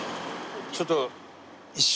ちょっと一瞬。